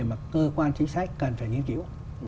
mà cơ quan chính sách cần phải nghiên cứu